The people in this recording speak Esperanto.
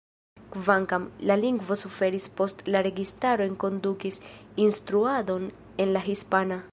Kvankam, la lingvo suferis post la registaro enkondukis instruadon en la hispana.